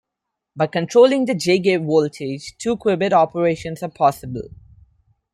By controlling the J gate voltage, two-qubit operations are possible.